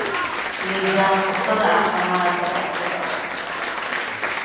Еджакӏохэр ахэмэ адэӏэпыӏэх.